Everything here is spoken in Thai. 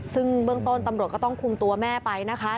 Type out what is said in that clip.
ซึ่งเบื้องต้นตำรวจก็ต้องคุมตัวแม่ไปนะคะ